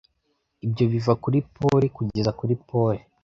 Ibyo biva kuri pole kugeza kuri pole